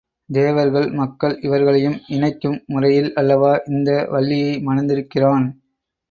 தேவர்கள் மக்கள் இவர்களையும் இணைக்கும் முறையில் அல்லவா இந்த வள்ளியை மணந்திருக்கிறான்!